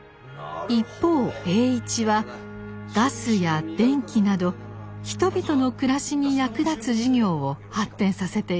一方栄一はガスや電気など人々の暮らしに役立つ事業を発展させていきました。